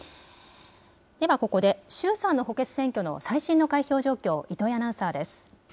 ではここで衆参の補欠選挙の最新の開票状況、糸井アナウンサーです。